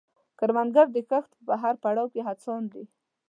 کروندګر د کښت په هر پړاو کې هڅاند دی